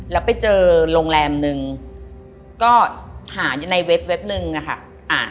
แล้วไปเจอโรงแรมนึงก็หาอยู่ในเว็บนึงอะค่ะ